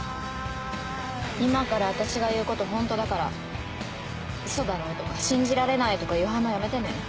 今から私が言うこと本当だから「ウソだろ？」とか「信じられない」とかいう反応やめてね。